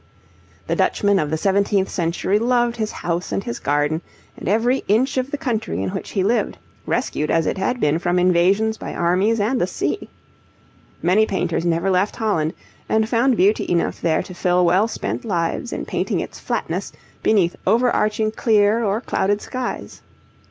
The Dutchman of the seventeenth century loved his house and his garden, and every inch of the country in which he lived, rescued as it had been from invasions by armies and the sea. Many painters never left Holland, and found beauty enough there to fill well spent lives in painting its flatness beneath over arching clear or clouded skies.